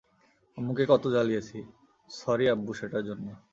আম্মুকে কত জ্বালিয়েছি, সরি আব্বু সেটার জন্য!